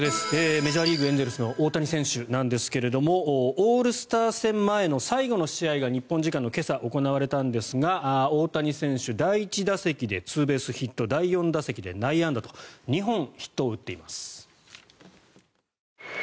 メジャーリーグ、エンゼルスの大谷選手ですがオールスター戦前の最後の試合が日本時間今朝、行われたんですが大谷選手第１打席でツーベースヒット第４打席で内野安打と２本ヒットを打っています。